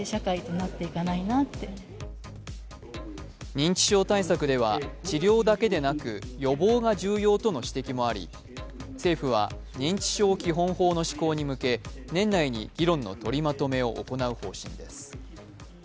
認知症対策では治療だけでなく予防が重要とのしてきもあり政府は認知症基本法の施行に向け年内に議論の取りまとめを行う方針です。